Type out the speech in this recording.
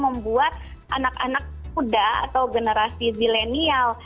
membuat anak anak muda atau generasi zilenial